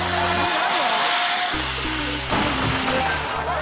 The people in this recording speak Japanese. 何？